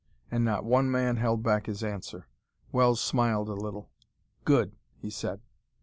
And not one man held back his answer. Wells smiled a little. "Good!" he said.